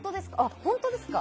本当ですか？